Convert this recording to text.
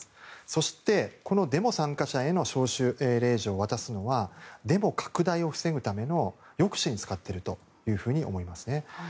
そして、デモ参加者へ招集令状を渡すのはデモ拡大を防ぐための抑止に使っていると思いますね。